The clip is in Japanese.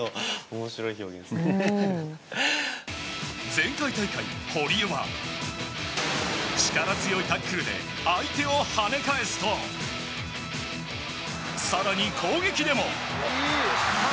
前回大会、堀江は力強いタックルで相手を跳ね返すと更に、攻撃でも。